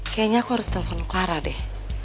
kayaknya aku harus telfon clara deh